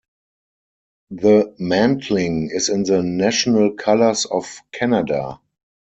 The mantling is in the national colours of Canada.